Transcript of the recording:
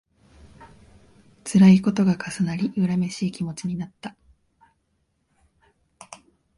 つらいことが重なり、恨めしい気持ちになった